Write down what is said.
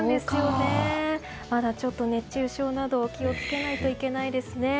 まだちょっと熱中症など気を付けないといけないですね。